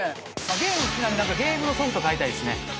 ゲーム好きなんでゲームのソフト買いたいですね。